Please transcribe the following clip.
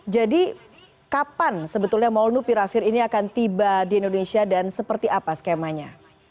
jadi kapan sebetulnya molnupiravir ini akan tiba di indonesia dan seperti apa skemanya